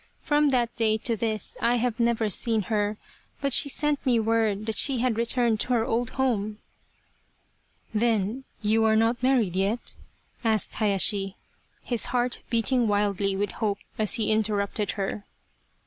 From that day to this I have never seen her, but she sent me word that she had returned to her old home." " Then you are not married yet ?" asked Hayashi, his heart beating wildly with hope as he interrupted her.